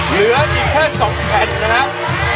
เหลืออีกแค่๒แผ่นนะครับ